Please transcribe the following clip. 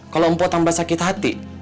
kalau mpo tambah sakit hati